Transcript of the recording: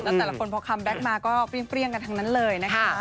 แล้วแต่ละคนพอคัมแบ็คมาก็เปรี้ยงกันทั้งนั้นเลยนะคะ